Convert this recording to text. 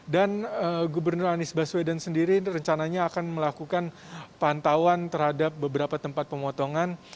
dan gubernur anies baswedan sendiri rencananya akan melakukan pantauan terhadap beberapa tempat pemotongan